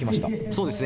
そうですね